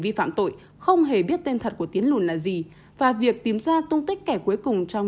vi phạm tội không hề biết tên thật của tiến lùn là gì và việc tìm ra tung tích kẻ cuối cùng trong